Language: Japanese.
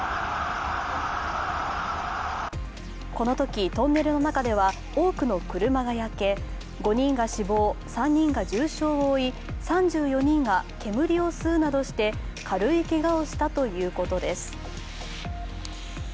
このときトンネルの中では多くの車が焼け、５人が死亡、３人が重傷を負い３４人が煙を吸うなどして軽いけがをしたということです。